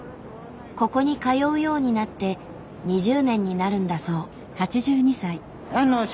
ここに通うようになって２０年になるんだそう。